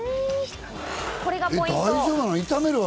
これがポイント。